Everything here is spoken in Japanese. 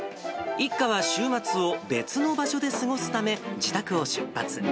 一家は週末を別の場所で過ごすため、自宅を出発。